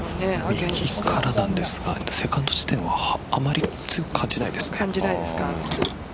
右からなんですがセカンド地点はあまり強く感じないですね。